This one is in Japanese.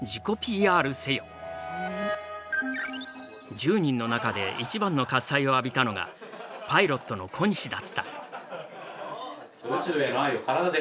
１０人の中で一番の喝采を浴びたのがパイロットの小西だった。